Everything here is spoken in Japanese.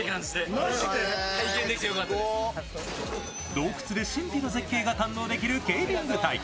洞窟で神秘の絶景が体験できるケイビング。